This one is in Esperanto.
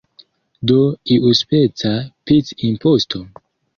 Do iuspeca pic-imposto?